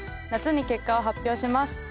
夏に結果を発表します。